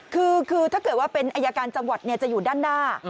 คือถ้าเกิดว่าเป็นอายการจังหวัดจะอยู่ด้านหน้า